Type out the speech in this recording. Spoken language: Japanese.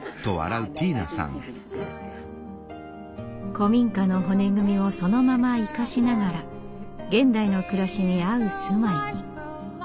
古民家の骨組みをそのまま生かしながら現代の暮らしに合う住まいに。